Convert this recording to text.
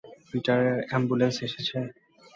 পিটারের ambulance এসেছে?